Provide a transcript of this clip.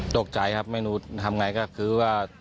ตกใจครับไม่รู้ทำไงก็คือว่า